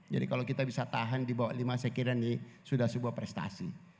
jadi kalau kita bisa tahan di bawah lima sekiran ini sudah sebuah prestasi